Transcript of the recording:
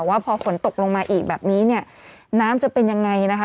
ว่าพอฝนตกลงมาอีกแบบนี้เนี่ยน้ำจะเป็นยังไงนะคะ